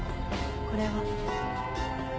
これは。